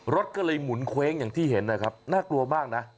รถก็เลยหมุนเคว้งอย่างที่เห็นนะครับน่ากลัวมากนะ